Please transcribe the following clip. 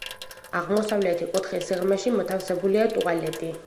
აღმოსავლეთი კუთხის სიღრმეში მოთავსებულია ტუალეტი.